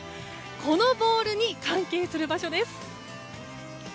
このボールに関係する場所です。